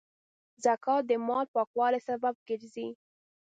زکات د مال پاکوالي سبب ګرځي.